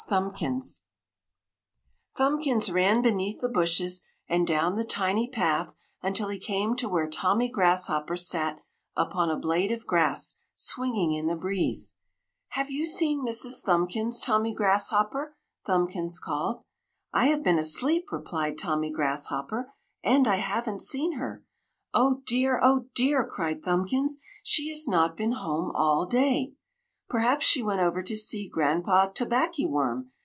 THUMBKINS Thumbkins ran beneath the bushes and down the tiny path until he came to where Tommy Grasshopper sat upon a blade of grass swinging in the breeze. "Have you seen Mrs. Thumbkins, Tommy Grasshopper?" Thumbkins called. "I have been asleep," replied Tommy Grasshopper, "And I haven't seen her!" "Oh dear! Oh dear!" cried Thumbkins. "She has not been home all day!" "Perhaps she went over to see Granpa Tobackyworm!"